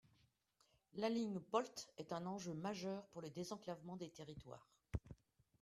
La ligne POLT est un enjeu majeur pour le désenclavement des territoires.